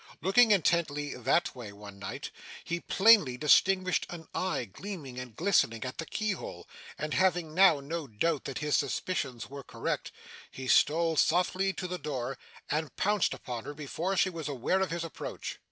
Looking intently that way one night, he plainly distinguished an eye gleaming and glistening at the keyhole; and having now no doubt that his suspicions were correct, he stole softly to the door, and pounced upon her before she was aware of his approach.